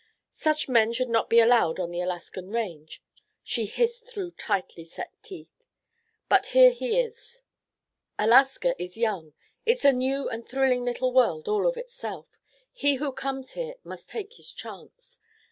"Such men should not be allowed upon the Alaskan range," she hissed through tightly set teeth. "But here he is. Alaska is young. It's a new and thrilling little world all of itself. He who comes here must take his chance.